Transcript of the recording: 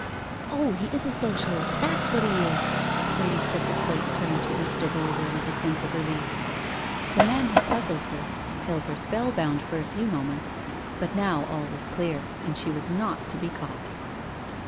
*••*' Oh, he is a Socialist, thafs what he is." Lady Thistlethwaite turned to Mr. Boulder with a sense of relief. The man had puzzled her, held her spellbound a few moments, but now all was clear, and she was not to be caught.